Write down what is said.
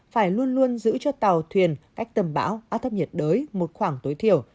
phải luôn luôn giữ cho tàu thuyền cách tầm bão áp thấp nhiệt đới một khoảng tối thiểu